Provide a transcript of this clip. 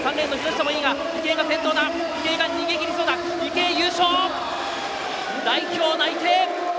池江、優勝！代表内定！